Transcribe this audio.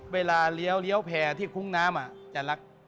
เวลาเลี้ยวแผลที่ขุ้งน้ำจัดหลัก